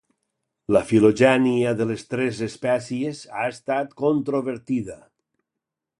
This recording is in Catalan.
La filogènia de les tres espècies ha estat controvertida.